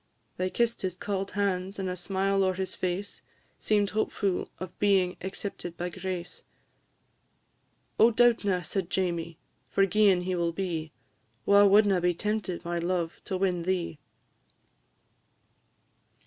They kiss'd his cauld hands, and a smile o'er his face Seem'd hopefu' of being accepted by grace; "Oh, doubtna," said Jamie, "forgi'en he will be, Wha wadna be tempted, my love, to win thee?"